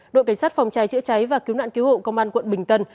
đội cảnh sát phòng cháy chữa cháy và cứu nạn cứu hộ công an quận bình tân